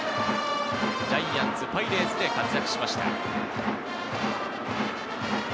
ジャイアンツ、パイレーツで活躍しました。